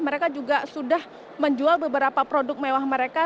mereka juga sudah menjual beberapa produk mewah mereka